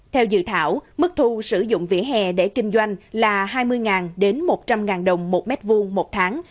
theo dự thảo mức thu sử dụng vỉa hè để kinh doanh là hai mươi một trăm linh đồng một m hai một tháng